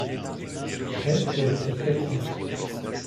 Près d'être fait comte.